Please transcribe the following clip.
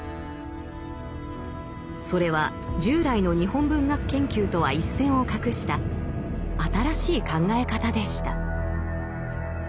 それは従来の日本文学研究とは一線を画した新しい考え方でした。